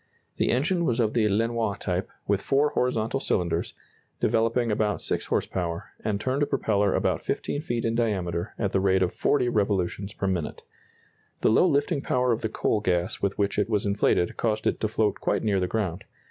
The engine was of the Lenoir type, with four horizontal cylinders, developing about 6 horse power, and turned a propeller about 15 feet in diameter at the rate of 40 revolutions per minute. The low lifting power of the coal gas with which it was inflated caused it to float quite near the ground.